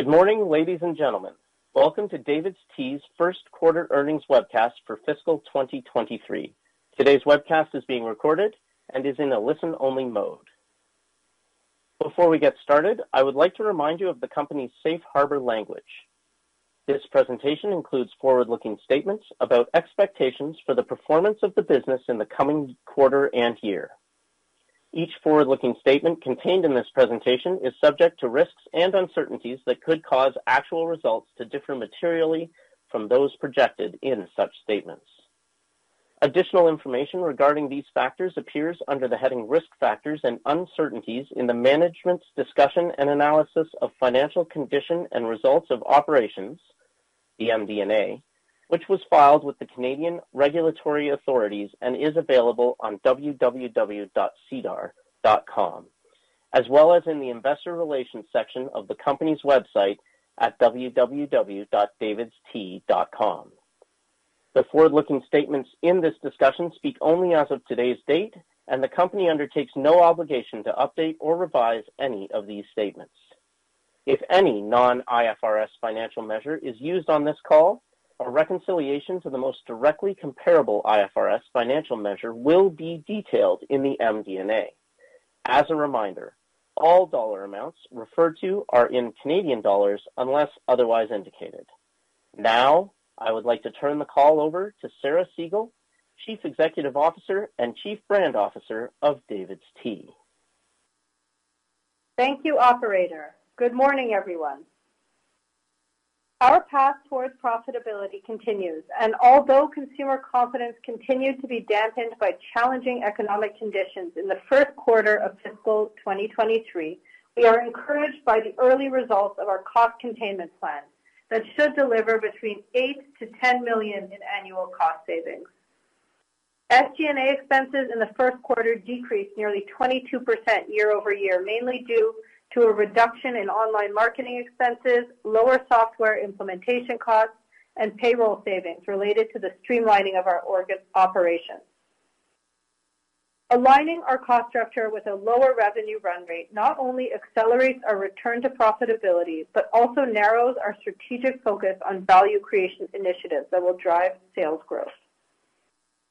Good morning, ladies and gentlemen. Welcome to DAVIDsTEA's First Quarter earnings webcast for Fiscal 2023. Today's webcast is being recorded and is in a listen-only mode. Before we get started, I would like to remind you of the company's Safe Harbor language. This presentation includes forward-looking statements about expectations for the performance of the business in the coming quarter and year. Each forward-looking statement contained in this presentation is subject to risks and uncertainties that could cause actual results to differ materially from those projected in such statements. Additional information regarding these factors appears under the heading Risk Factors and Uncertainties in the management's discussion and analysis of financial condition and results of operations, the MD&A, which was filed with the Canadian regulatory authorities and is available on www.sedar.com, as well as in the Investor Relations section of the company's website at www.davidstea.com. The forward-looking statements in this discussion speak only as of today's date, and the company undertakes no obligation to update or revise any of these statements. If any non-IFRS financial measure is used on this call, a reconciliation to the most directly comparable IFRS financial measure will be detailed in the MD&A. As a reminder, all dollar amounts referred to are in Canadian dollars unless otherwise indicated. Now, I would like to turn the call over to Sarah Segal, Chief Executive Officer and Chief Brand Officer of DAVIDsTEA. Thank you, operator. Good morning, everyone. Our path towards profitability continues, and although consumer confidence continued to be dampened by challenging economic conditions in the first quarter of Fiscal 2023, we are encouraged by the early results of our cost containment plan that should deliver between 8 million- 10 million in annual cost savings. SG&A expenses in the first quarter decreased nearly 22% year-over-year, mainly due to a reduction in online marketing expenses, lower software implementation costs, and payroll savings related to the streamlining of our operations. Aligning our cost structure with a lower revenue run rate not only accelerates our return to profitability, but also narrows our strategic focus on value creation initiatives that will drive sales growth.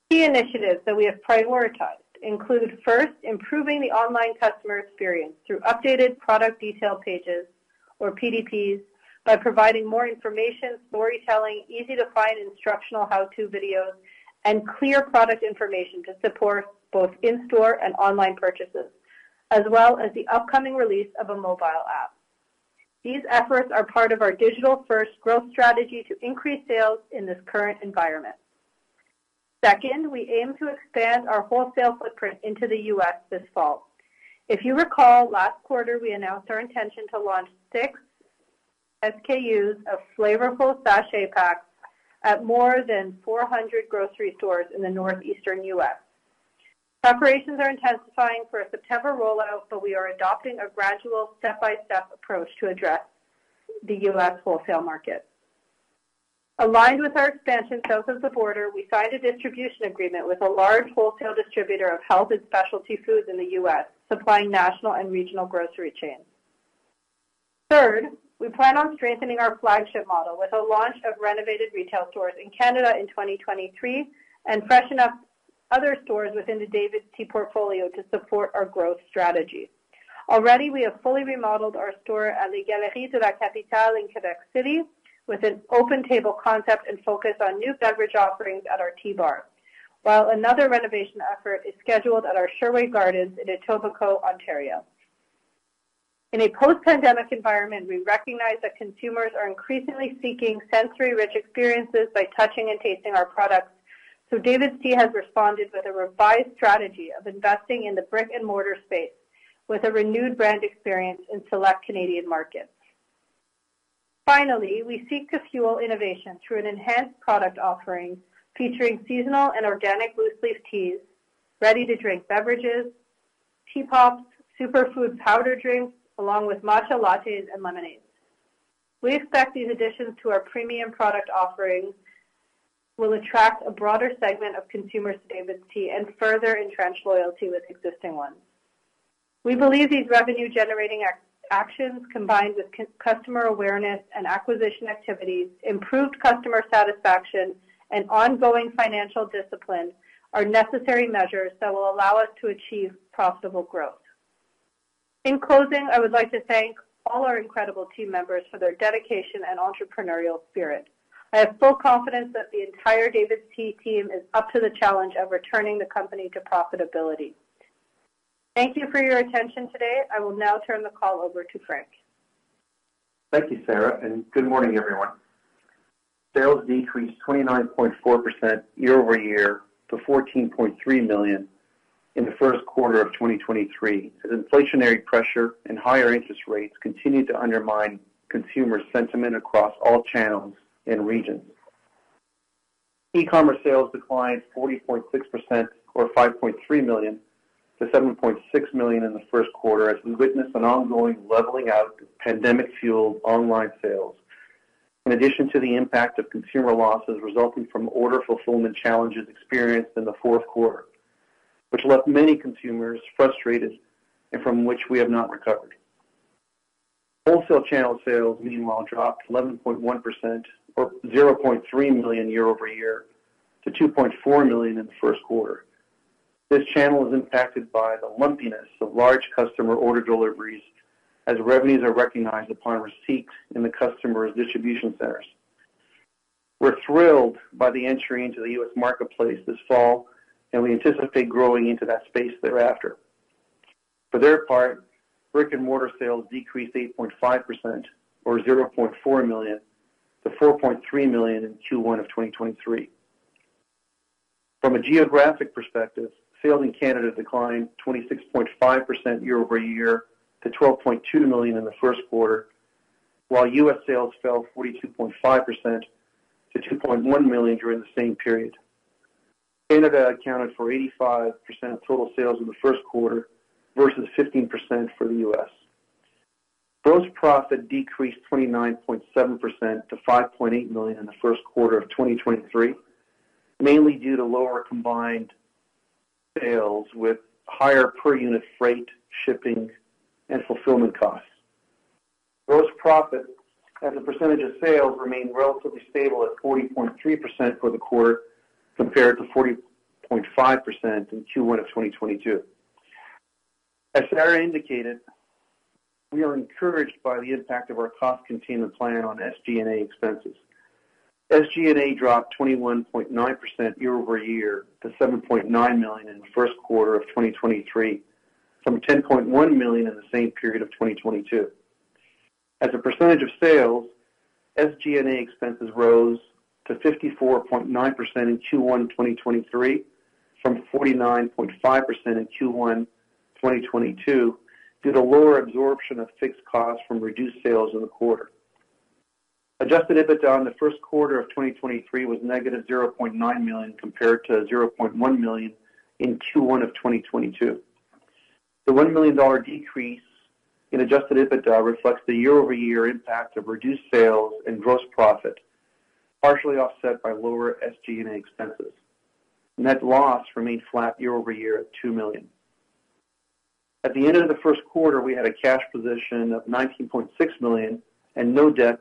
Key initiatives that we have prioritized include, first, improving the online customer experience through updated Product Detail Pages or PDPs by providing more information, storytelling, easy-to-find instructional how-to videos, and clear product information to support both in-store and online purchases, as well as the upcoming release of a mobile app. These efforts are part of our digital-first growth strategy to increase sales in this current environment. Second, we aim to expand our wholesale footprint into the U.S. this fall. If you recall, last quarter, we announced our intention to launch six SKUs of flavorful sachet packs at more than 400 grocery stores in the northeastern U.S.. Preparations are intensifying for a September rollout, but we are adopting a gradual step-by-step approach to address the U.S. wholesale market. Aligned with our expansion south of the border, we signed a distribution agreement with a large wholesale distributor of Health and Specialty Foods in the U.S., supplying National and Regional Grocery chains. Third, we plan on strengthening our flagship model with a launch of renovated retail stores in Canada in 2023, and freshen up other stores within the DAVIDsTEA portfolio to support our growth strategy. Already, we have fully remodeled our store at Les Galeries de la Capitale in Quebec City, with an open table concept and focus on new beverage offerings at our Tea bar, while another renovation effort is scheduled at our Sherway Gardens in Etobicoke, Ontario. In a post-pandemic environment, we recognize that consumers are increasingly seeking sensory-rich experiences by touching and tasting our products, so DAVIDsTEA has responded with a revised strategy of investing in the brick-and-mortar space, with a renewed brand experience in select Canadian markets. Finally, we seek to fuel innovation through an enhanced product offering, featuring seasonal and organic loose leaf teas, ready-to-drink beverages, Tea Pops, Superfood powder drinks, along with Matcha lattes and Lemonades. We expect these additions to our premium product offerings will attract a broader segment of consumers to DAVIDsTEA and further entrench loyalty with existing ones. We believe these revenue-generating actions, combined with customer awareness and acquisition activities, improved customer satisfaction, and ongoing financial discipline, are necessary measures that will allow us to achieve profitable growth. In closing, I would like to thank all our incredible team members for their dedication and entrepreneurial spirit. I have full confidence that the entire DAVIDsTEA team is up to the challenge of returning the company to profitability. Thank you for your attention today. I will now turn the call over to Frank. Thank you, Sarah, and good morning, everyone. Sales decreased 29.4% year-over-year to 14.3 million in the first quarter of 2023, as inflationary pressure and higher interest rates continued to undermine consumer sentiment across all channels and regions. E-commerce sales declined 40.6%, or 5.3 million, to 7.6 million in the first quarter, as we witnessed an ongoing leveling out of pandemic-fueled online sales, in addition to the impact of consumer losses resulting from order fulfillment challenges experienced in the fourth quarter, which left many consumers frustrated and from which we have not recovered. Wholesale channel sales, meanwhile, dropped 11.1%, or 0.3 million year-over-year, to 2.4 million in the first quarter. This channel is impacted by the lumpiness of large customer order deliveries, as revenues are recognized upon receipt in the customer's distribution centers. We're thrilled by the entry into the U.S. marketplace this fall, and we anticipate growing into that space thereafter. For their part, brick-and-mortar sales decreased 8.5% or 0.4 million to 4.3 million in Q1 of 2023. From a geographic perspective, sales in Canada declined 26.5% year-over-year to 12.2 million in the first quarter, while U.S. sales fell 42.5% to $2.1 million during the same period. Canada accounted for 85% of total sales in the first quarter versus 15% for the U.S.. Gross profit decreased 29.7% to 5.8 million in Q1 2023, mainly due to lower combined sales with higher per unit freight, shipping, and fulfillment costs. Gross profit as a percentage of sales remained relatively stable at 40.3% for the quarter, compared to 40.5% in Q1 2022. As Sarah indicated, we are encouraged by the impact of our cost containment plan on SG&A expenses. SG&A dropped 21.9% year-over-year to 7.9 million in Q1 2023, from 10.1 million in the same period of 2022. As a percentage of sales, SG&A expenses rose to 54.9% in Q1 2023, from 49.5% in Q1 2022, due to lower absorption of fixed costs from reduced sales in the quarter. Adjusted EBITDA in the first quarter of 2023 was negative 0.9 million, compared to 0.1 million in Q1 of 2022. The 1 million dollar decrease in Adjusted EBITDA reflects the year-over-year impact of reduced sales and gross profit, partially offset by lower SG&A expenses. Net loss remained flat year-over-year at 2 million. At the end of the first quarter, we had a cash position of 19.6 million and no debt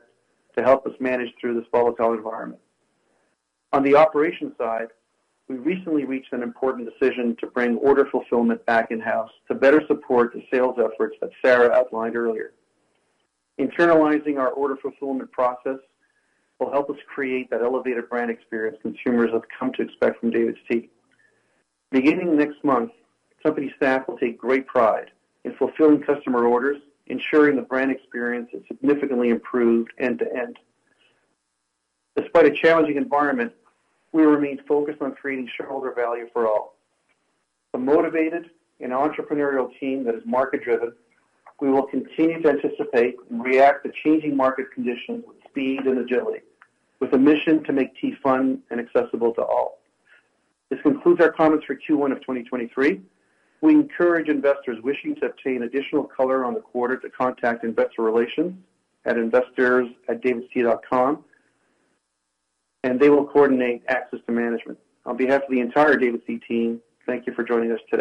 to help us manage through this volatile environment. On the operations side, we recently reached an important decision to bring order fulfillment back in-house to better support the sales efforts that Sarah outlined earlier. Internalizing our order fulfillment process will help us create that elevated brand experience consumers have come to expect from DAVIDsTEA. Beginning next month, company staff will take great pride in fulfilling customer orders, ensuring the brand experience is significantly improved end-to-end. Despite a challenging environment, we remain focused on creating shareholder value for all. A motivated and entrepreneurial team that is market-driven, we will continue to anticipate and react to changing market conditions with speed and agility, with a mission to make tea fun and accessible to all. This concludes our comments for Q1 of 2023. We encourage investors wishing to obtain additional color on the quarter to contact Investor Relations at investors@davidstea.com, and they will coordinate access to management. On behalf of the entire DAVIDsTEA team, thank you for joining us today.